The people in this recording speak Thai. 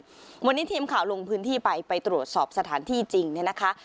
วันนี้ทีมข่าวลงพื้นที่ไปไปตรวจสอบสถานที่จริงเนี่ยนะคะ